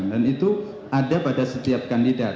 dan itu ada pada setiap kandidat